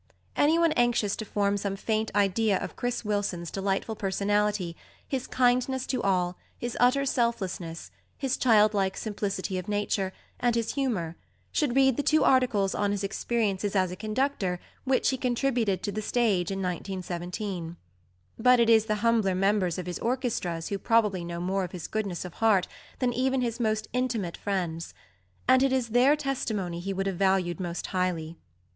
Anyone anxious to form some faint idea of "Chris" Wilson's delightful personality, his kindness to all, his utter selflessness, his childlike simplicity of nature, and his humour, should read the two articles on his experiences as a conductor which he contributed to The Stage in 1917. But it is the humbler members of his orchestras who probably know more of his goodness of heart than even his most intimate friends; and it is their testimony he would have valued most highly.